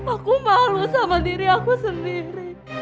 aku maru sama diri aku sendiri